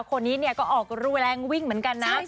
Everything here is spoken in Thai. คนนี้เนี่ยก็ออกรูแรงวิ่งเหมือนกันนะ